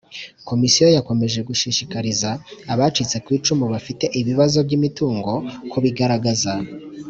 Komisiyo yakomeje gushishikariza abacitse ku icumu bafite ibibazo by’imitungo kubigaragaza